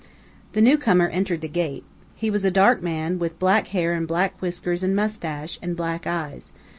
The new comer entered the gate. He was a dark man, with black hair and black whiskers and mustache, and black eyes.